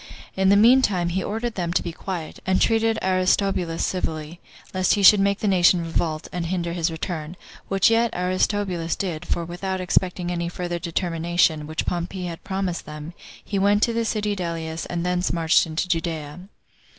In the mean time, he ordered them to be quiet; and treated Aristobulus civilly, lest he should make the nation revolt, and hinder his return; which yet Aristobulus did; for without expecting any further determination, which Pompey had promised them, he went to the city Delius, and thence marched into Judea.